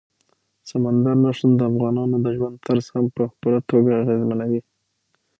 سمندر نه شتون د افغانانو د ژوند طرز هم په پوره توګه اغېزمنوي.